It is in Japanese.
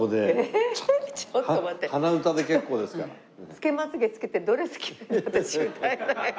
つけまつ毛つけてドレス着ないと私歌えない。